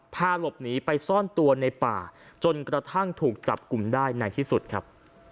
พาหลบหนีไปซ่อนตัวในป่าจนกระทั่งถูกจับกลุ่มได้ในที่สุดครับ